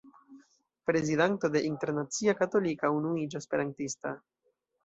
Prezidanto de Internacia Katolika Unuiĝo Esperantista.